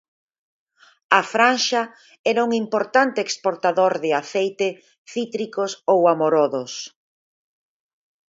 A Franxa era un importante exportador de aceite, cítricos ou amorodos.